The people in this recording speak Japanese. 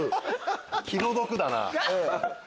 気の毒だな。